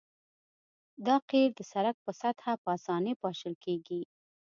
دا قیر د سرک په سطحه په اسانۍ پاشل کیږي